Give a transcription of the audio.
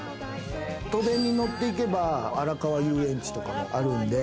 都電に乗っていけば、あらかわ遊園地とかあるんで。